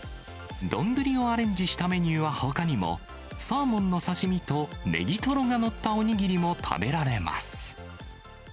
丼をアレンジしたメニューはほかにも、サーモンの刺身とネギトロが載ったお握りも食べられます。